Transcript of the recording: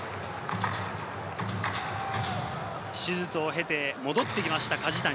手術を経て戻ってきました、梶谷。